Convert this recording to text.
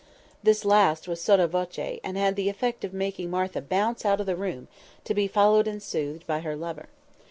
This last was sotto voce, and had the effect of making Martha bounce out of the room, to be followed and soothed by her lover.